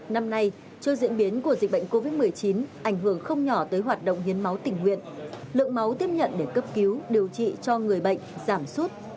năm nay trước diễn biến của dịch bệnh covid một mươi chín ảnh hưởng không nhỏ tới hoạt động hiến máu tình nguyện lượng máu tiếp nhận để cấp cứu điều trị cho người bệnh giảm sút